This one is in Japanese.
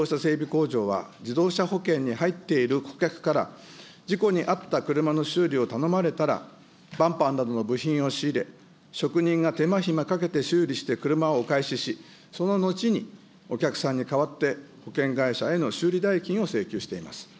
工場は、自動車保険に入っている顧客から、事故に遭った車の修理を頼まれたら、バンパーなどの部品を仕入れ、職人が手間暇かけて修理して車をお返しし、その後にお客さんに代わって保険会社への修理代金を請求しています。